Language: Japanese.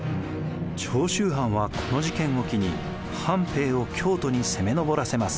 長州藩はこの事件を機に藩兵を京都に攻め上らせます。